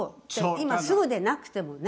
今すぐでなくてもね。